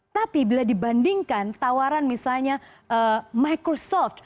tapi bila dibandingkan tawaran misalnya microsoft